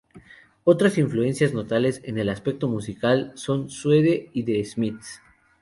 Otras influencias notables en el aspecto musical son Suede y The Smiths.